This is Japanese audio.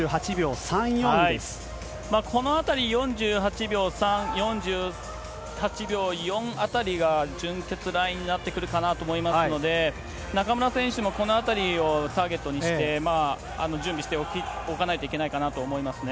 このあたり、４８秒３、４８秒４あたりが準決ラインになってくるかなと思いますので、中村選手もこのあたりをターゲットにして準備しておかないといけないかなと思いますね。